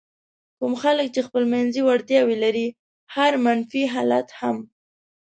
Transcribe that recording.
کوم خلک چې خپلمنځي وړتیاوې لري هر منفي حالت هم.